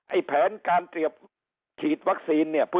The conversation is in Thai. แผนการเตรียมฉีดวัคซีนเนี่ย